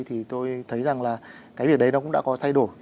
thì tôi thấy rằng là cái việc đấy nó cũng đã có thay đổi